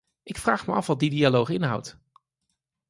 Ik vraag me af wat die dialoog inhoudt.